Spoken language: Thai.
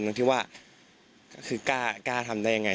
ก็คือกล้าทำได้ยังไง